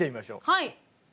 はい。